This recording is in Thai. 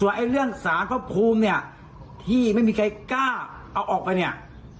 ไอ้เรื่องสารพระภูมิเนี่ยที่ไม่มีใครกล้าเอาออกไปเนี่ย